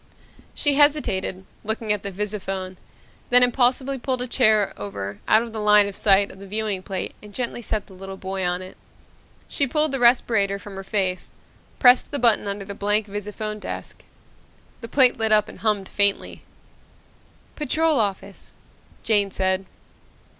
She hesitated, looked at the visiphone, then impulsively pulled a chair over out of the line of sight of the viewing plate and gently set the little boy on it. She pulled the respirator from her face, pressed the button under the blank visiphone disk. The plate lit up and hummed faintly. "Patrol Office," Jane said.